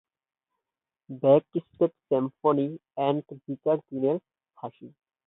Backstreet symphony এবং "বিচারের দিনে হাসি"।